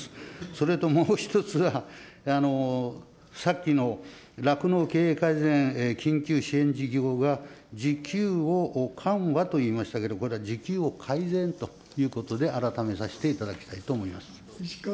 それともう一つは、さっきの酪農経営改善緊急支援事業が、需給を緩和と言いましたけれども、これは需給を改善ということで、改めさせていただきたいと思います。